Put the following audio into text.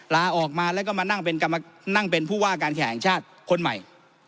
ลาออกมาแล้วก็มานั่งเป็นผู้ว่าการแข่งชาติคนใหม่